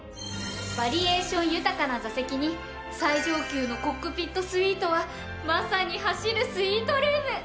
バリエーション豊かな座席に最上級のコックピットスイートはまさに走るスイートルーム。